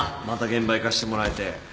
また現場行かせてもらえて